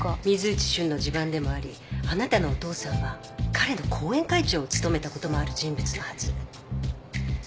水内俊の地盤でもありあなたのお父さんは彼の後援会長を務めたこともある人物のはず。